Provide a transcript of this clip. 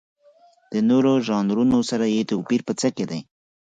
د نورو ژانرونو سره یې توپیر په څه کې دی؟